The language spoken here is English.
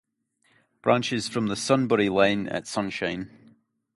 Branches from the Sunbury line at Sunshine.